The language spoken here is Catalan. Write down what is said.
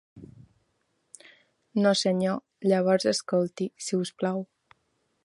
"No, senyor". Llavors escolti, si us plau.